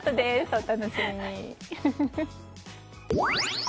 お楽しみに。